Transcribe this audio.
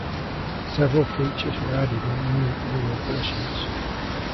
Several features were added in new Lua versions.